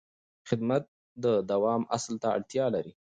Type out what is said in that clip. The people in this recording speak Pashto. خدمت د دوام اصل ته اړتیا لري.